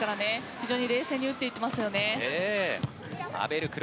非常に冷静に打っていきますね。